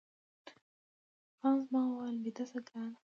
خان زمان وویل، بیده شه ګرانه.